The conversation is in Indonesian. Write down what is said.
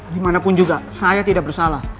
dimanapun juga saya tidak bersalah